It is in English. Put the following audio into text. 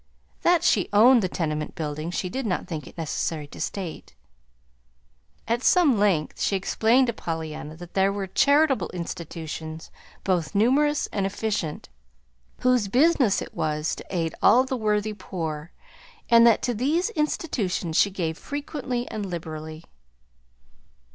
(That she owned the tenement building she did not think it necessary to state.) At some length she explained to Pollyanna that there were charitable institutions, both numerous and efficient, whose business it was to aid all the worthy poor, and that to these institutions she gave frequently and liberally.